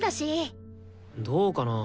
どうかな。